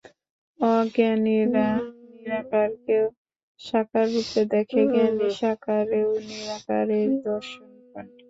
অজ্ঞানীরা নিরাকারকেও সাকাররূপে দেখে, জ্ঞানী সাকারেও নিরাকার এর দর্শন পান।